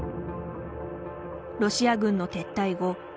ロシア軍の撤退後